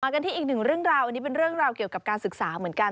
กันที่อีกหนึ่งเรื่องราวอันนี้เป็นเรื่องราวเกี่ยวกับการศึกษาเหมือนกัน